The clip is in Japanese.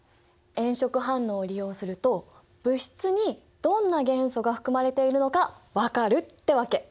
炎色反応を利用すると物質にどんな元素が含まれているのか分かるってわけ！